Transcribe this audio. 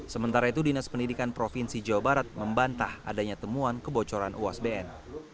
sementara itu dinas pendidikan provinsi jawa barat membantah adanya temuan kebocoran uasbn